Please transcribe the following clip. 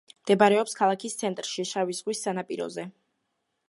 მდებარეობს ქალაქის ცენტრში, შავი ზღვის სანაპიროზე.